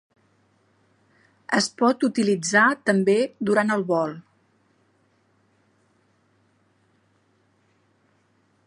Es pot utilitzar també durant el vol.